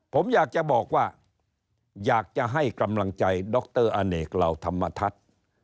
ผมอยากจะบอกว่าอยากจะให้กำลังใจดรอเนกเหล่าธรรมทัศน์